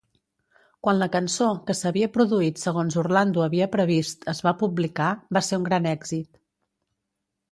Quan la cançó, que s'havia produït segons Orlando havia previst, es va publicar, va ser un gran èxit.